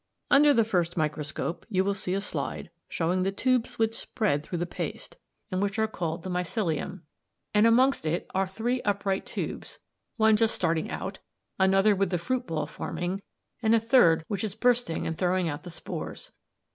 "Under the first microscope you will see a slide showing the tubes which spread through the paste, and which are called the mycelium (m, Fig. 23), and amongst it are three upright tubes, one just starting a, another with the fruit ball forming b, and a third c, which is bursting and throwing out the spores.